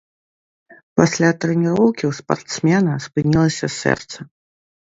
Пасля трэніроўкі ў спартсмена спынілася сэрца.